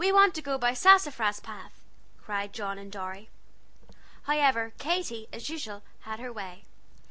We want to go by Sassafras Path!" cried John and Dorry. However, Katy, as usual, had her way.